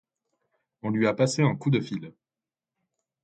On lui a passé un coup de fil.